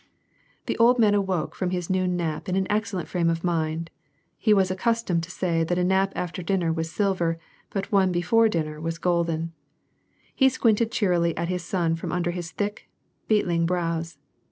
The old man awoke from his noon nap in an excellent frame of mind (he was accustomed to say that a nap after dinner was silver, but one before dinner was ^^oldcn). He squinted cheerily at his sop from under his thick, beetling brows.